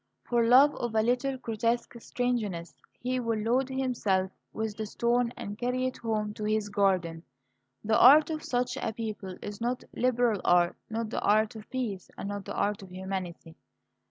For love of a little grotesque strangeness he will load himself with the stone and carry it home to his garden. The art of such a people is not liberal art, not the art of peace, and not the art of humanity.